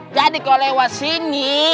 jadi kalau lewat sini